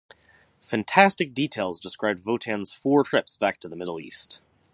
Fantastic details described Votan's four trips back to the Middle East.